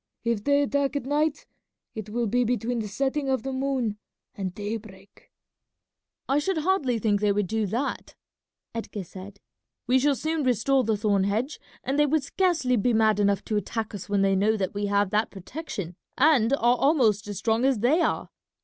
If they attack at night it will be between the setting of the moon and daybreak." "I should hardly think they would do that," Edgar said. "We shall soon restore the thorn hedge, and they would scarcely be mad enough to attack us when they know that we have that protection and are almost as strong as they are.